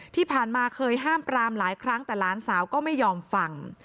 ที่ผ่านมาเคยห้ามปรามหลายครั้งแต่หลานสาวก็ไม่ยอมฟัง